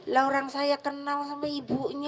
lah orang saya kenal sama ibunya